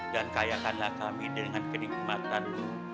dan kayakanlah kami dengan kenikmatan mu